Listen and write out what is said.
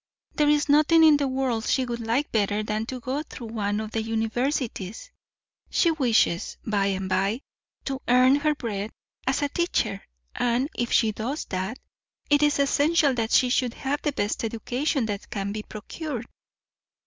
There is nothing in the world she would like better than to go through one of the universities. She wishes, by and by, to earn her bread as a teacher; and, if she does that, it is essential that she should have the best education that can be procured."